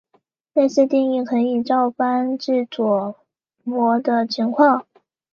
类似定义可以照搬至右模的情况。